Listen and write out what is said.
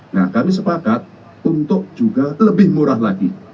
nah kami sepakat untuk juga lebih murah lagi